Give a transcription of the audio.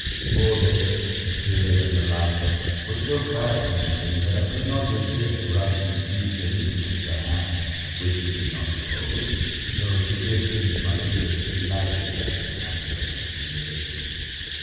All this the tears and the laughter were so fascinating that I could not resist rushing eagerly to kiss her hand, which she did not oppose, though she did pinch my ears lightly as a sign of reconciliation.